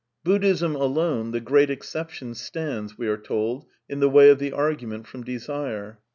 Buddhism alone, the Great Exception, stands, we are told, in the way of the argument from desire.